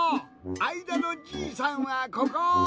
あいだのじいさんはここ。